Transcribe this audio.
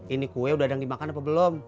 ini kue udah ada yang dimakan apa belum